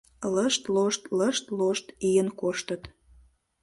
Лышт-лошт, лышт-лошт ийын коштыт.